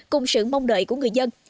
cùng sự mong đợi của quốc gia